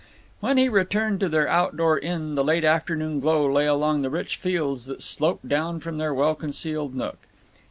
When he returned to their outdoor inn the late afternoon glow lay along the rich fields that sloped down from their well concealed nook.